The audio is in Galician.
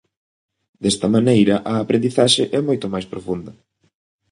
Desta maneira a aprendizaxe é moito máis profunda.